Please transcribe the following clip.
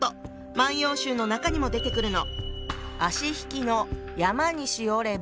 「万葉集」の中にも出てくるの。